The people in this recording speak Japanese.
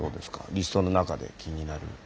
リストの中で気になる。